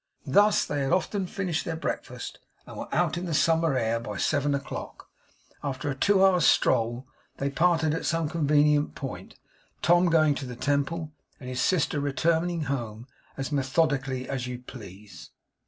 Thus they had often finished their breakfast, and were out in the summer air, by seven o'clock. After a two hours' stroll they parted at some convenient point; Tom going to the Temple, and his sister returning home, as methodically as you please.